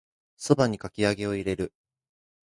蕎麦にかき揚げを入れる